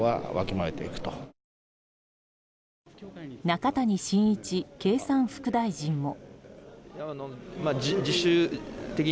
中谷真一経産副大臣も。